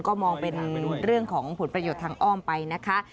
ก็มองเป็นเรื่องของผลประโยชน์ทางอ้อมไปนะคะ